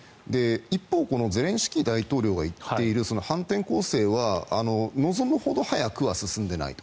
一方、ゼレンスキー大統領が言っている反転攻勢は望むほど早くは進んでいないと。